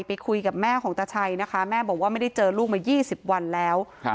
ไปคุยกับแม่ของตาชัยนะคะแม่บอกว่าไม่ได้เจอลูกมายี่สิบวันแล้วครับ